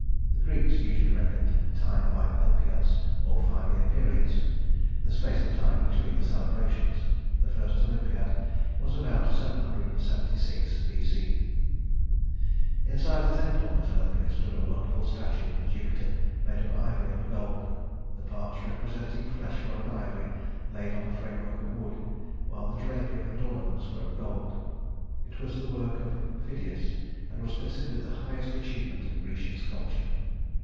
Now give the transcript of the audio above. The Greeks usually reckoned time by Olympiads or five year periods, the space of time between the celebrations. The first Olympiad was about 776 B.C. Inside the temple at Olympia stood a wonderful statue of Jupiter made of ivory and gold. The parts representing flesh were of ivory laid on a framework of wood, while the drapery and ornaments were of gold. It was the work of Phidias, and was considered the highest achievement of Grecian sculpture.